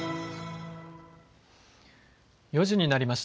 ４時になりました。